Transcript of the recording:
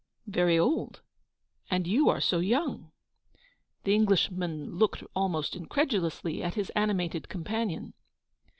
M Very old ! And you are so young." The Englishman looked almost incredulously at his animated companion.